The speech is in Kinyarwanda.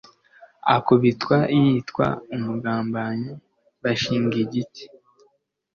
akubitwa yitwa umugambanyi bashing igiti